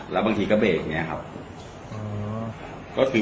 บางทีผมก็จะเบรก